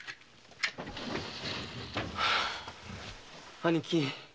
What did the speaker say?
・兄貴